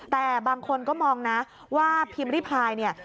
แต่บางคนก็มองนะว่าพิมพ์ริพายเนี่ย